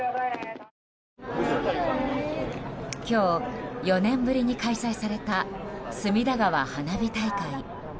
今日、４年ぶりに開催された隅田川花火大会。